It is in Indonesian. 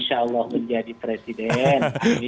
insya allah menjadi presiden